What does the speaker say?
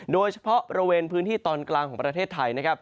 โดยเฉพาะบริเวณพื้นที่ตอนกลางของประเทศไทยนะครับ